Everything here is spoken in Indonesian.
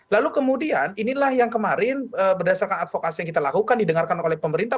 lalu kemudian inilah yang kemarin berdasarkan advokasi yang kita lakukan didengarkan oleh pemerintah